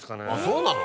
そうなの？